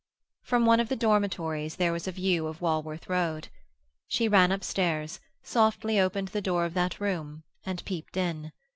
From one of the dormitories there was a view of Walworth Road. She ran upstairs, softly opened the door of that room, and peeped in.